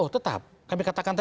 oh tetap kami katakan tadi